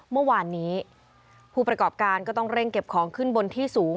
เมื่อวานนี้ผู้ประกอบการก็ต้องเร่งเก็บของขึ้นบนที่สูง